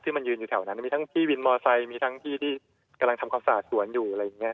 ที่มันยืนอยู่แถวนั้นมีทั้งที่วินมอเซย์มีทั้งที่ที่กำลังทำความสะอาดส่วนอยู่